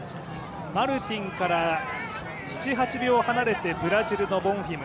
マルティンから７８秒離れて、ブラジルのボンフィム。